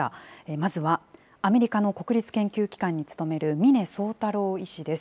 まずはアメリカの国立研究機関に勤める峰宗太郎医師です。